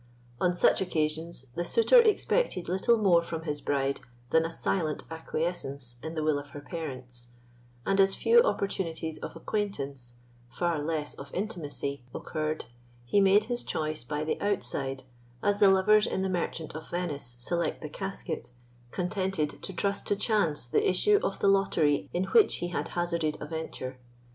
On such occasions, the suitor expected little more from his bride than a silent acquiescence in the will of her parents; and as few opportunities of acquaintance, far less of intimacy, occurred, he made his choice by the outside, as the lovers in the Merchant of Venice select the casket, contented to trust to chance the issue of the lottery in which he had hazarded a venture.